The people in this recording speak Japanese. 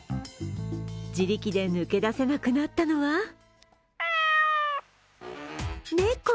自力で抜け出せなくなったのは猫。